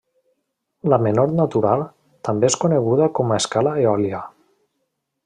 La menor natural, també és coneguda com a escala eòlia.